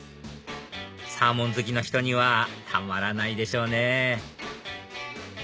サーモン好きの人にはたまらないでしょうね